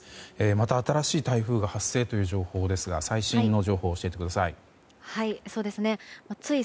また新しい台風が発生という情報ですが最新の情報を教えてください。